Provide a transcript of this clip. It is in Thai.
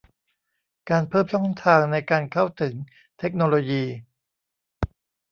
การเพิ่มช่องทางในการเข้าถึงเทคโนโลยี